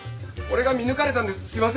俺が見抜かれたんです。